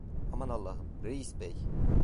Aman Allahım, reis bey!